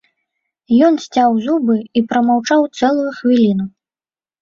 Ён сцяў зубы і прамаўчаў цэлую хвіліну.